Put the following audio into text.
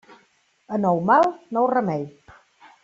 A nou mal, nou remei.